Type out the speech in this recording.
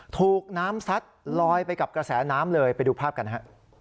ถูกน้ำซัดลอยไปกับกระแสน้ำเลยไปดูภาพกันฮะ